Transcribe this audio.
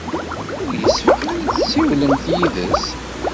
Ur yessefk ara ad tessiwlemt yid-s.